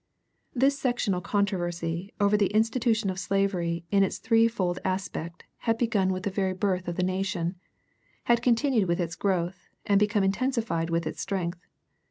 This sectional controversy over the institution of slavery in its threefold aspect had begun with the very birth of the nation, had continued with its growth, and become intensified with its strength.